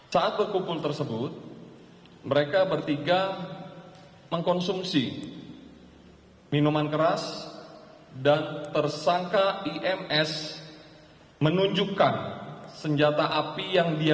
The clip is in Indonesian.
saat berkumpul tersebut mereka bertiga mengkonsumsi minuman keras dan tersangka ims menunjukkan senjata api yang dia